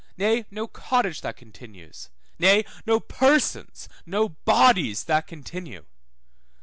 nay, no cottage that continues, nay, no persons, no bodies, that continue.